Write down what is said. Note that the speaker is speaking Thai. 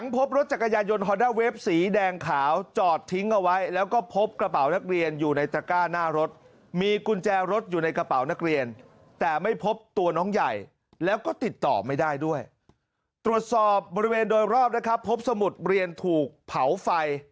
พบรถจักรยายยนต์ฮอนด้าเวฟสีแดงขาวจอดทิ้งเอาไว้แล้วก็พบกระเป๋านักเรียนอยู่ในจ้าหน้ารถมีกุญแจรถอยู่ในกระเป๋านักเรียนแต่ไม่พบตัวน้องใหญ่แล้วก็ติดต่อไม่ได้ด้วยตรวจสอบบริเวณโดยรอบนะครับพบสมุทรเรียนถูกเผาไฟ